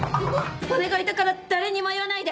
お願いだから誰にも言わないで！